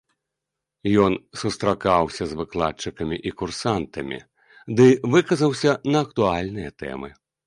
Ён сустракаўся з выкладчыкамі і курсантамі ды выказаўся на актуальныя тэмы.